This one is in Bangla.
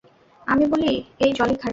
আমি বলি, এই জলি খারাপ।